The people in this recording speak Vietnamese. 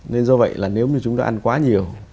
nên do vậy là nếu như chúng ta ăn quá nhiều